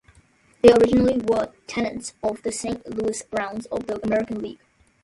They originally were tenants of the Saint Louis Browns of the American League.